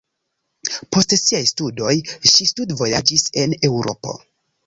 Post siaj studoj ŝi studvojaĝis en Eŭropo.